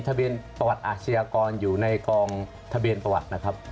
ทะเบียนประวัติอาชญากรอยู่ในกองทะเบียนประวัตินะครับ